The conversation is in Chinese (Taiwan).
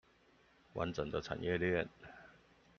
完整的產業鏈